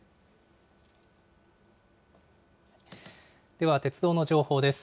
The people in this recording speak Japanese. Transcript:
では鉄道の情報です。